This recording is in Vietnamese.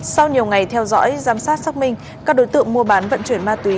sau nhiều ngày theo dõi giám sát xác minh các đối tượng mua bán vận chuyển ma túy